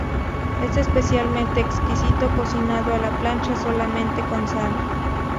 Es especialmente exquisito cocinado a la plancha, solamente con sal.